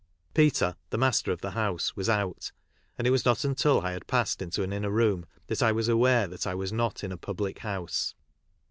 "Peter," the master of the house, was out, and it was not until I had passed into an inner room that I was aware that I was not in a public house.